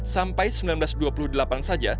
sampai seribu sembilan ratus dua puluh delapan saja